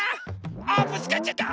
あぶつかっちゃった！